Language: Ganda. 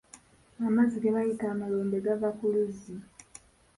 Amazzi ge bayita amalombe gava ku luzzi.